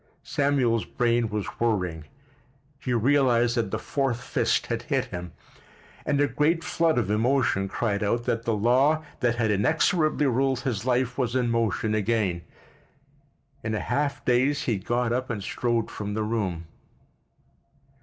Samuel's brain was whirring. He realized that the fourth fist had hit him, and a great flood of emotion cried out that the law that had inexorably ruled his life was in motion again. In a half daze he got up and strode from the room.